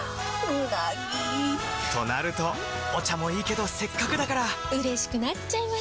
うなぎ！となるとお茶もいいけどせっかくだからうれしくなっちゃいますか！